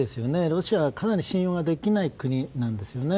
ロシアはかなり信用ができない国なんですよね。